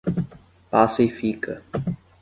Passa-e-Fica